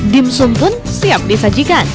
dimsum pun siap disajikan